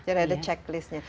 jadi ada checklistnya